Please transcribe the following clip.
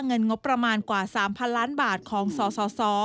เงินงบประมาณกว่า๓๐๐ล้านบาทของสส